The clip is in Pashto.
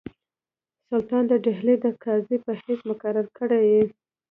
سلطان د ډهلي د قاضي په حیث مقرر کړی یې.